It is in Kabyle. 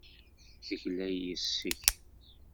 Tegla yes-k.